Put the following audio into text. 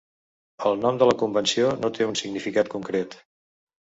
El nom de la convenció no té un significat concret.